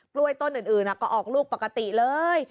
กล้วยต้นอื่นก็ออกลูกปกติเลย